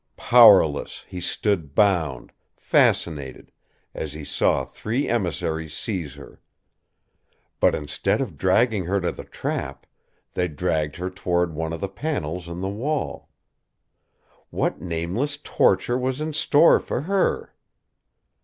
Powerless, he stood bound, fascinated, as he saw three emissaries seize her. But instead of dragging her to the trap, they dragged her toward one of the panels in the wall. What nameless torture was in store for her?